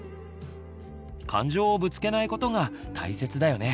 感情をぶつけないことが大切だよね。